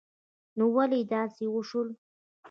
نو ولی داسی وشول